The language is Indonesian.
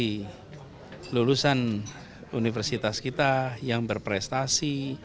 dari lulusan universitas kita yang berprestasi